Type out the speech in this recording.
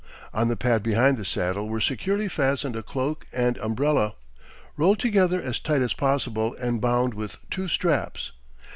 On the pad behind the saddle were securely fastened a cloak and umbrella, rolled together as tight as possible and bound with two straps.